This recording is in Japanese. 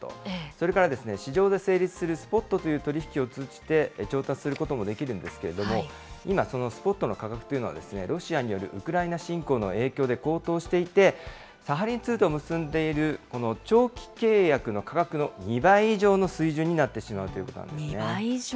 それから市場で成立するスポットという取り引きを通じて調達することもできるんですけれども、今、そのスポットの価格というのは、ロシアによるウクライナ侵攻の影響で高騰していて、サハリン２と結んでいる、この長期契約の価格の２倍以上の水準になってしまう２倍以上。